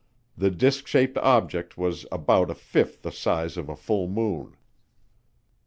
The disk shaped object was about a fifth the size of a full moon.